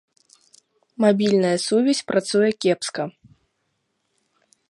Мабільная сувязь працуе кепска.